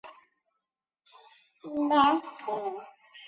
它们可能是种拥有原蜥脚类牙齿的蜥脚类恐龙。